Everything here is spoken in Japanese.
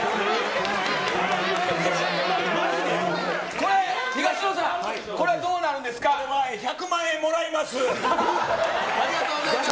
これ、東野さん、これはどうこれは１００万円もらいます。